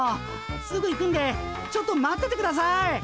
すぐ行くんでちょっと待っててください。